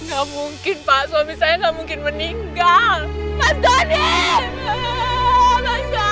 gak mungkin pak suami saya nggak mungkin meninggal